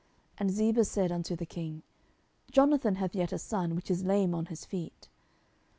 And Ziba said unto the king, Jonathan hath yet a son, which is lame on his feet.